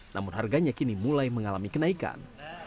namun harganya kini mulai mengalami kenaikan